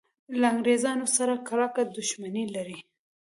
له انګریزانو سره کلکه دښمني لري.